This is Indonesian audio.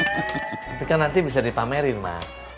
tapi kan nanti bisa dipamerin pak